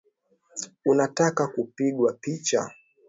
Unataka kupigwa picha